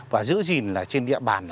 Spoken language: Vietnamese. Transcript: và giữ gìn trên địa bàn